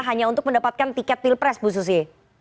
hanya untuk mendapatkan tiket pilpres bu susi